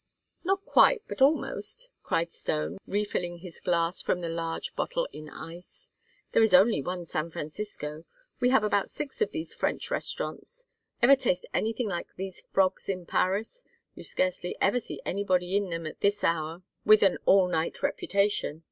"Not quite, but almost!" cried Stone, refilling his glass from the large bottle in ice. "There is only one San Francisco! We have about six of these French restaurants ever taste anything like these frogs in Paris? You scarcely ever see anybody in them at this hour with an 'all night' reputation.